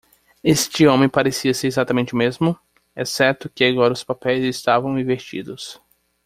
Este homem parecia exatamente o mesmo?, exceto que agora os papéis estavam invertidos.